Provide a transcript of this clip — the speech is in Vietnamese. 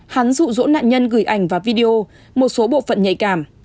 hắn rụ rỗ nạn nhân gửi ảnh và video một số bộ phận nhạy cảm